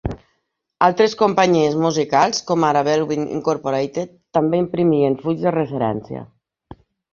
Altres companyies musicals, com ara Belwin Incorporated també imprimien fulls de referència.